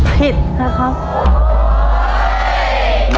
ผิดนะครับ